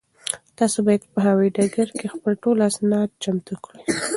تاسو باید په هوایي ډګر کې خپل ټول اسناد چمتو کړئ.